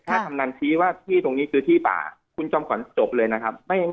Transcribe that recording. ถ้ากำนันชี้ว่าที่ตรงนี้คือที่ป่าคุณจอมขวัญจบเลยนะครับ